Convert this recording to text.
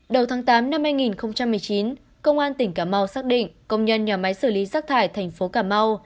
đầu tháng tám năm hai nghìn một mươi chín công an tỉnh cà mau xác định công nhân nhà máy xử lý rác thải thành phố cà mau